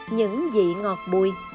những vị ngọt bùi